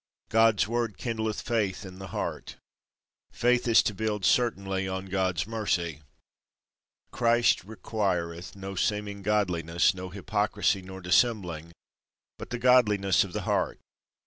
God's Word kindleth Faith in the heart. Faith is to build certainly on God's mercy. Christ requireth no seeming godliness, no hypocrisy nor dissembling, but the godliness of the heart.